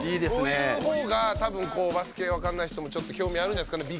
こういう方が多分こうバスケわかんない人もちょっと興味あるんじゃないですかね。